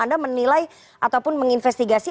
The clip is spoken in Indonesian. anda menilai ataupun menginvestigasi